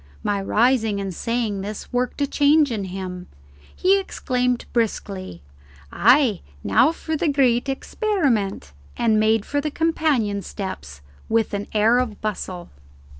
My rising and saying this worked a change in him. He exclaimed briskly, "Ay, now for the great experiment," and made for the companion steps with an air of bustle.